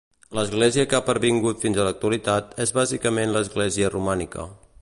L'església que ha pervingut fins a l'actualitat és bàsicament l'església romànica.